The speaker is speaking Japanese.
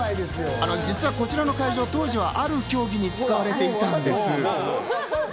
実はこちらの会場、当時はある競技に使われていたんです。